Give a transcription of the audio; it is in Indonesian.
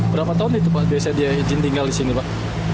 berapa tahun itu pak biasanya dia izin tinggal di sini pak